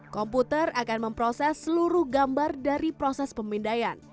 komputer akan memproses seluruh gambar dari proses pemindaian